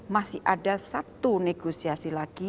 masih ada satu negosiasi lagi